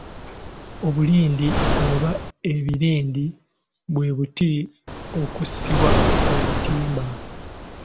Obulindi oba ebirindi bwe buti okusibwa obutimba.